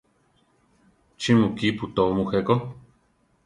¿Chí mu kípu tóo mujé ko?